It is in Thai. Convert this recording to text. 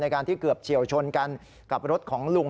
การที่เกือบเฉียวชนกันกับรถของลุง